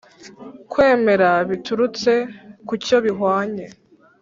kwemera biturutse ku cyo bihwanye